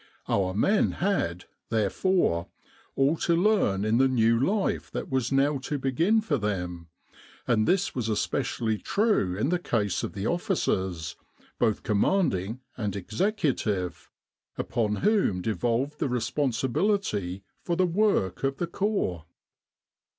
Our men had, therefore, all to learn in the new life that was now to begin for them, and this was especially true in the case of the officers, both commanding and executive, upon 72 Desert Warfare whom devolved the responsibility for the work of the Corps.